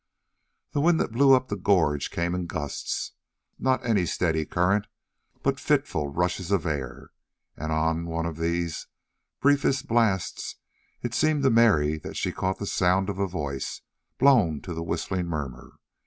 The wind that blew up the gorge came in gusts, not any steady current, but fitful rushes of air, and on one of these brief blasts it seemed to Mary that she caught the sound of a voice blown to whistling murmur.